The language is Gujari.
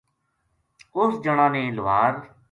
اُس جنا نے لوہار